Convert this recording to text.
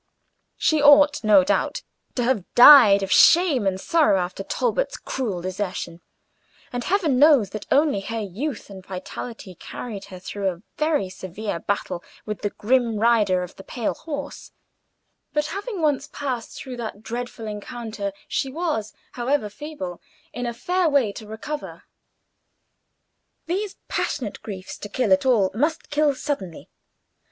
She ought, no doubt, to have died of shame and sorrow after Talbot's cruel desertion: and Heaven knows that only her youth and vitality carried her through a very severe battle with the grim rider of the pale horse; but, having once passed through that dread encounter, she was, however feeble, in a fair way to recover. These passionate griefs, to kill at all, must kill suddenly.